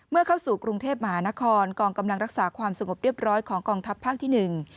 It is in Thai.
เข้าสู่กรุงเทพมหานครกองกำลังรักษาความสงบเรียบร้อยของกองทัพภาคที่หนึ่ง